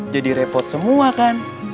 jadi repot semua kan